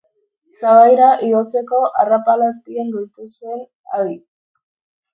Sabaira igotzeko arrapala azpian gelditu zen, adi.